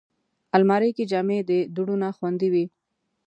الماري کې جامې د دوړو نه خوندي وي